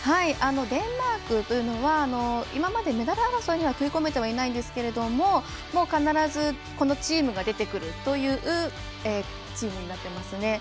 デンマークというのは今までメダル争いには食い込めてはいないんですけれども必ずこのチームが出てくるというチームになってますね。